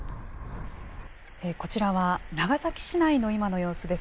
こちらは長崎市内の今の様子です。